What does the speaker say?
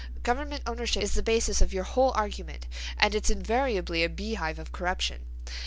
Government ownership is the basis of your whole argument, and it's invariably a beehive of corruption.